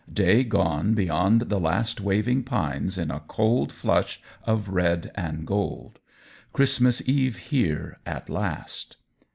Day gone beyond the last waving pines in a cold flush of red and gold: Christmas Eve here at last.